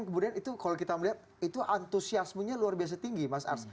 kemudian itu kalau kita melihat itu antusiasmenya luar biasa tinggi mas ars